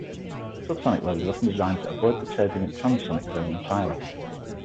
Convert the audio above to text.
Subsonic loads are often designed to avoid the turbulent transonic zone entirely.